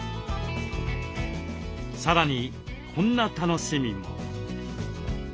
さらにこんな楽しみも。